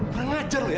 pengajar lu ya